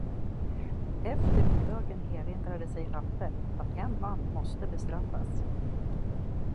Efter middagen erinrade sig Rappe att en man måste bestraffas.